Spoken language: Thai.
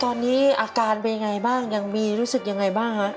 ตอนนี้อาการเป็นอย่างไรบ้างยังมีรู้สึกอย่างไรบ้าง